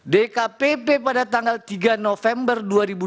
dkpp pada tanggal tiga november dua ribu dua puluh